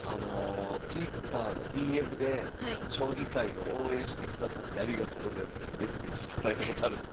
ＴｗｉｔｔｅｒのＤＭで「将棋界を応援してくださってありがとうございます」ってメッセージ頂いたことあるんです僕。